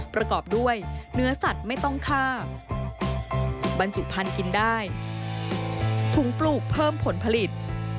ประกอบด้วยเนื้อสัตว์ไม่ต้องฆ่าบรรจุพันธุ์กินได้ถุงปลูกเพิ่มผลผลิต